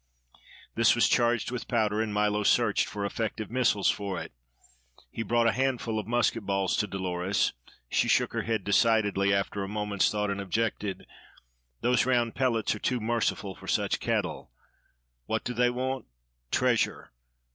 This was charged with powder, and Milo searched for effective missiles for it. He brought a handful of musket balls to Dolores; she shook her head decidedly after a moment's thought and objected: "Those round pellets are too merciful for such cattle. What do they want? Treasure!